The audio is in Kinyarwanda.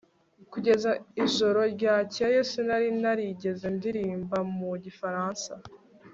Kugeza ijoro ryakeye sinari narigeze ndirimba mu gifaransa